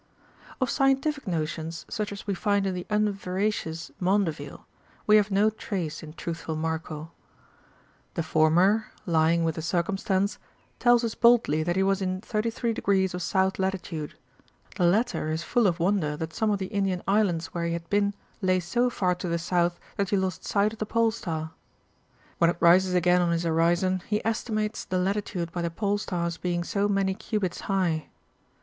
''* 69. Of scientific notions, such as we find in the unvera cious Maundevile, we have no trace in truthful Marco. The former, " lyino' with a circumstance," tells us boldly Absence of that he was ni 33 of South Latitude ; the latter is scientific notions. full of wonder that some of the Indian Islands where he had been lay so far to the south that you lost sight of the Pole star. When it rises again on his horizon he esti mates the Latitude by the Pole star's being so many cubits high.